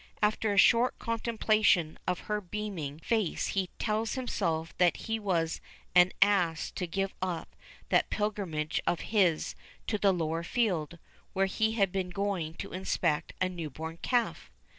After a short contemplation of her beaming face he tell himself that he was an ass to give up that pilgrimage of his to the lower field, where he had been going to inspect a new born calf.